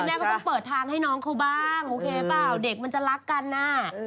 แม่ก็ต้องเปิดทางให้น้องเขาบ้างโอเคเปล่าเด็กมันจะรักกันน่ะ